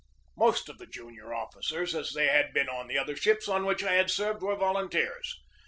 Most of the junior officers, as they had been on the other ships on which I had served, were volun teers.